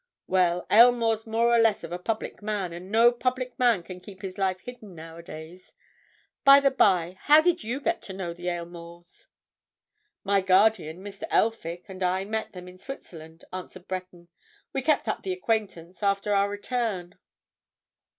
"Well, Aylmore's more or less of a public man, and no public man can keep his life hidden nowadays. By the by, how did you get to know the Aylmores?" "My guardian, Mr. Elphick, and I met them in Switzerland," answered Breton. "We kept up the acquaintance after our return."